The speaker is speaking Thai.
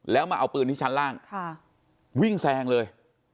แล้วมาเอาปืนที่ชั้นล่างวิ่งแซงเลย